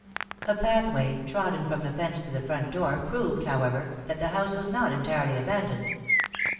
A path way, trodden from the fence to the front door, proved, however, that the house was not entirely abandoned.